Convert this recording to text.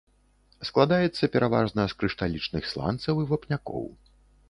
Складаецца пераважна з крышталічных сланцаў і вапнякоў.